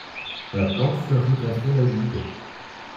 La plante fleurit d'avril à juillet.